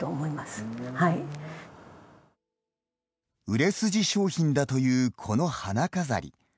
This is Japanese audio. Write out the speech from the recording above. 売れ筋商品だというこの花飾り。